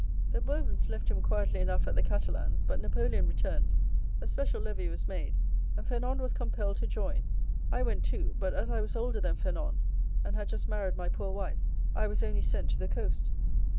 The Bourbons left him quietly enough at the Catalans, but Napoleon returned, a special levy was made, and Fernand was compelled to join. I went too; but as I was older than Fernand, and had just married my poor wife, I was only sent to the coast.